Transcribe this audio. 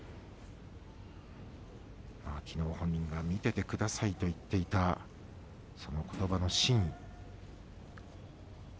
きのう本人が見ていてくださいと言っていたそのことばの真意